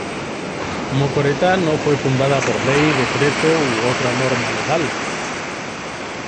Mocoretá no fue fundada por Ley, decreto u otra norma legal.